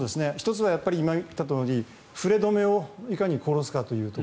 １つは今言ったとおり振れ止めをいかに殺すかと。